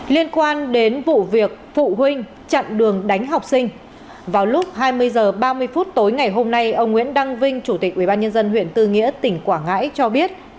liên quan đến vụ việc phụ huynh chặn đường đánh học sinh vào lúc hai mươi h ba mươi phút tối ngày hôm nay ông nguyễn đăng vinh chủ tịch ubnd huyện tư nghĩa tỉnh quảng ngãi cho biết